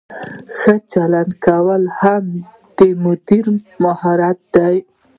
ښه چلند کول هم د مدیر مهارت دی.